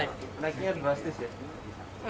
naiknya di bastis ya